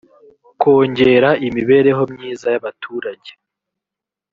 kongera imibereho myiza y‘abaturage.